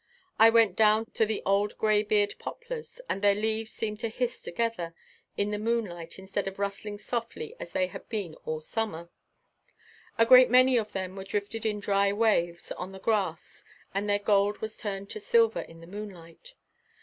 I went down to the old graybeard poplars and their leaves seemed to hiss together in the moonlight instead of rustling softly as they had been all summer. A great many of them were drifted in dry waves on the grass and their gold was turned to silver in the moonlight.